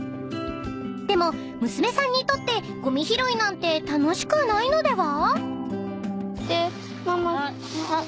［でも娘さんにとってごみ拾いなんて楽しくないのでは？］